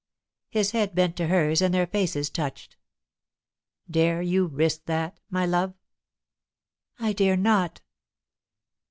His head bent to hers, and their faces touched. "Dare you risk that, my love?" "I dare not."